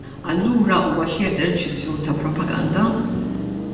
Allura huwa xi eżerċizzju ta' propaganda?